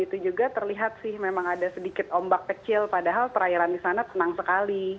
itu juga terlihat sih memang ada sedikit ombak kecil padahal perairan di sana tenang sekali